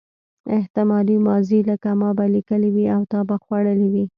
احتمالي ماضي لکه ما به لیکلي وي او تا به خوړلي وي.